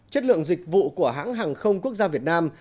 chất lượng dịch vụ của hãng hàng không quốc gia việt nam